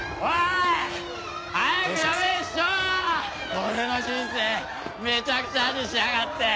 俺の人生めちゃくちゃにしやがって。